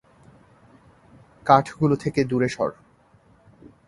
কাঠগুলো থেকে দূরে সর।